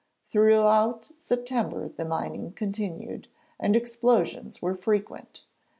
Throughout September the mining continued, and explosions were frequent.